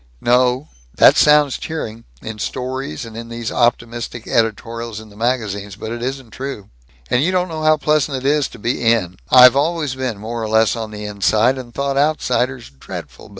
"No. That sounds cheering, in stories and these optimistic editorials in the magazines, but it isn't true. And you don't know how pleasant it is to be In. I've always been more or less on the inside, and thought outsiders dreadful.